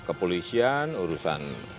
tapi pengganti kristal